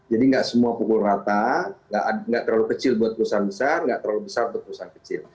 jadi nggak semua pukul rata nggak terlalu kecil buat perusahaan besar nggak terlalu besar buat perusahaan kecil